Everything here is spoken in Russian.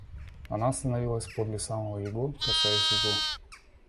Она остановилась подле самого его, касаясь его.